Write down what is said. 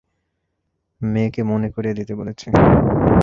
মেয়েকে মনে করিয়ে দিতে বলেছি।